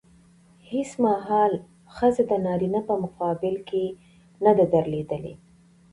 هېڅ مهال ښځه د نارينه په مقابل کې نه ده درېدلې.